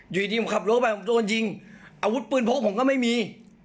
อยู่ดีผมขับรถไปผมโดนยิงอาวุธปืนพกผมก็ไม่มี